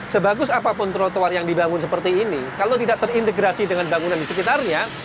sebagus apapun trotoar yang dibangun seperti ini kalau tidak terintegrasi dengan bangunan di sekitarnya